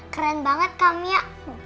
keren banget kamiah